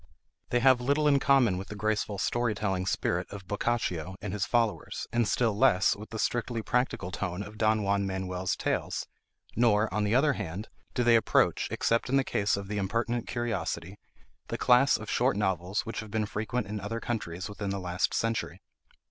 They have little in common with the graceful story telling spirit of Boccaccio and his followers, and still less with the strictly practical tone of Don Juan Manuel's tales; nor, on the other hand, do they approach, except in the case of the 'Impertinent Curiosity,' the class of short novels which have been frequent in other countries within the last century.